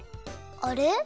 あれ？